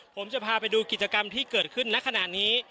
ผมจะพาไปดูกิจกรรมที่เกิดขึ้นณขณะนี้